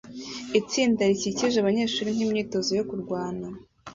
Itsinda rikikije abanyeshuri nkimyitozo yo kurwana